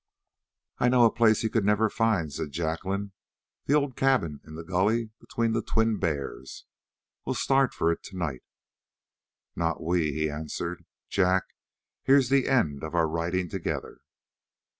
"I know a place he could never find," said Jacqueline. "The old cabin in the gulley between the Twin Bears. We'll start for it tonight." "Not we," he answered. "Jack, here's the end of our riding together."